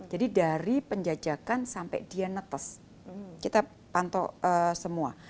jadi dari penjajakan sampai dia netes kita pantau semua